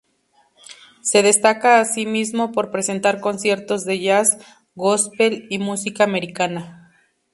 Se destaca asimismo por presentar conciertos de jazz, gospel y música americana.